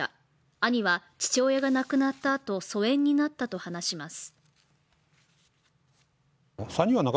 兄は、父親が亡くなったあと、疎遠になったと話します。